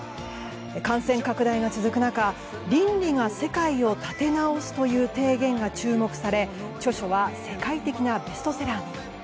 感染拡大が続く中倫理が世界を立て直すという提言が注目され著書は世界的なベストセラーに。